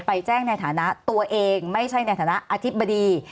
แจ้งในฐานะตัวเองไม่ใช่ในฐานะอธิบดี